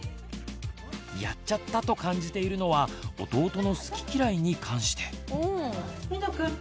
やっちゃったと感じているのは弟の好き嫌いに関して。